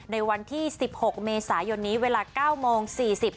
ในวันที่๑๖เมษายนนี้เวลา๙โมง๔๐เช่นเคยนะคะ